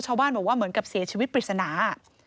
ชาวบ้านบอกว่าเหมือนกับเสียชีวิตปริศนา